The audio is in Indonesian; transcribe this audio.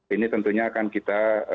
ini tentunya akan kita